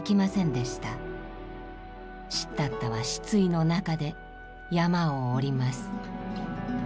シッダッタは失意の中で山を下ります。